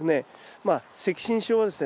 まあ赤芯症はですね